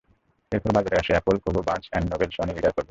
এরপর বাজারে আসে Apple, Kobo, Barnes and Noble, Sony Reader প্রভৃতি।